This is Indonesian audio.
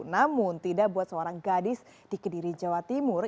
namun tidak buat seorang gadis di kediri jawa timur